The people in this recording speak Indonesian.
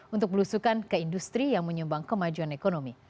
untuk belusukan ke industri yang menyumbang kemajuan ekonomi